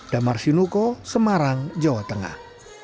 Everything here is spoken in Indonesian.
damar sinuko semarang jawa tengah